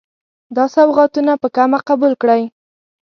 دا سوغاتونه په کمه قبول کړئ.